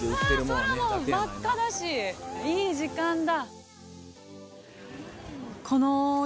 うわ空も真っ赤だしいい時間だ。